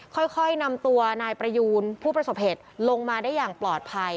ค่อยนำตัวนายประยูนผู้ประสบเหตุลงมาได้อย่างปลอดภัย